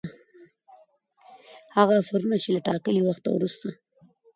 هغه آفرونه چي له ټاکلي وخته وروسته